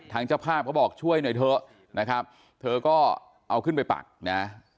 เจ้าภาพเขาบอกช่วยหน่อยเถอะนะครับเธอก็เอาขึ้นไปปักนะ